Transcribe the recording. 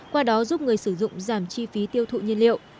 qua đó giúp người sử dụng giảm chi phí tiêu thụ nhiên liệu